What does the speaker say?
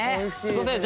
すいません。